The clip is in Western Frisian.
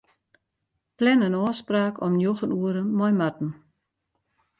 Plan in ôfspraak om njoggen oere mei Marten.